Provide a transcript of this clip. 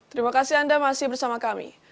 terima kasih anda masih bersama kami